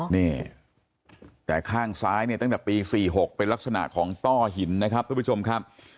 นี่แต่ข้างซ้ายเนี่ยตั้งแต่ปี๔๖เป็นลักษณะของต้อหินนะครับทุกผู้ชมครับ